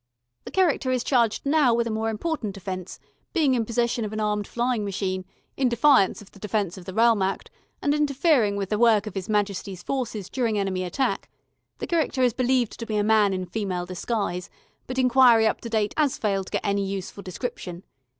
The cherecter is charged now with a more important offence, being in possession of an armed flying machine, in defiance of the Defence of the Realm Act, and interfering with the work of 'Is Majesty's Forces during enemy attack. The cherecter is believed to be a man in female disguise, but enquiry up to date 'as failed to get any useful description.